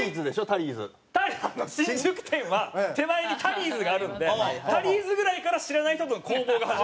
タリーズ新宿店は手前にタリーズがあるのでタリーズぐらいから知らない人との攻防が始まる。